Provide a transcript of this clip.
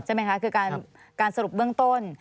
ใช่ไหมคะคือการสรุปเบื้องต้น